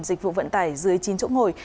dịch vụ vận tải dưới chín chỗ ngồi